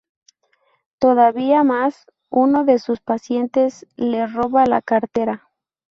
Todavía más, uno de sus pacientes le roba la cartera.